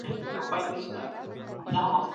زموږ هېواد د ډیپلوماتیکو اړیکو د سړېدو پلوی نه دی.